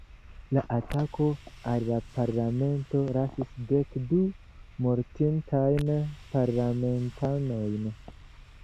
La atako al la Parlamento lasis dek du mortintajn parlamentanojn.